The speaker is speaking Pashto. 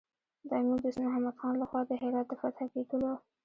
د امیر دوست محمد خان له خوا د هرات د فتح کېدلو.